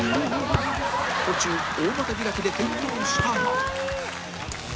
途中大股開きで転倒したが